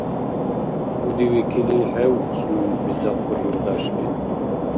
— Удивикили хӀевъус ну, — бизахъур юлдашли.